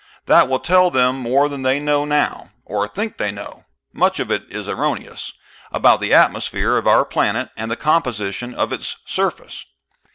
That will tell them more than they know now (or think they know; much of it is erroneous) about the atmosphere of our planet and the composition of its surface.